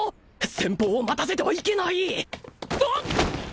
先方を待たせてはいけないうわっ